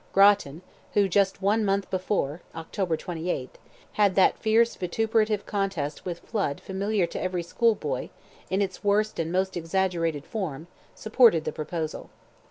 Grattan, who just one month before (Oct. 28th) had that fierce vituperative contest with Flood familiar to every school boy, in its worst and most exaggerated form, supported the proposal.